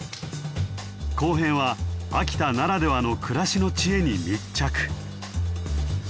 後編は秋田ならではの暮らしの知恵に密着。